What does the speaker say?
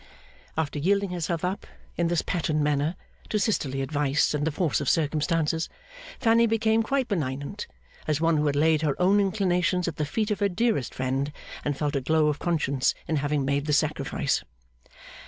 After yielding herself up, in this pattern manner, to sisterly advice and the force of circumstances, Fanny became quite benignant: as one who had laid her own inclinations at the feet of her dearest friend, and felt a glow of conscience in having made the sacrifice.